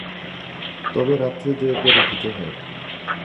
তবে রাত্রে দু-একবার উঠিতে হয়।